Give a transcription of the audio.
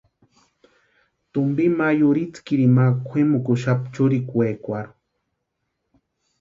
Tumpi ma yutskirini ma kwʼimukuxapti churikwekwarhu.